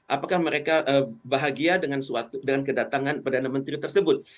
apakah mereka bahagia dengan kedatangan perdana menteri tersebut